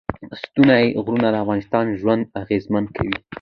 ستوني غرونه د افغانانو ژوند اغېزمن کوي.